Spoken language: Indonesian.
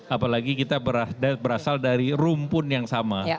apalagi kita berasal dari rumpun yang sama